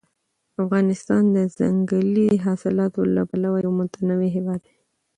افغانستان د ځنګلي حاصلاتو له پلوه یو متنوع هېواد دی.